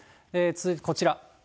続いてこちら。